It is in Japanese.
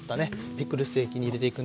ピクルス液に入れていくんですが。